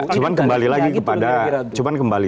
cuma kembali lagi kepada pertimbangan